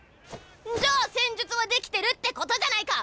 じゃあ戦術はできてるってことじゃないか！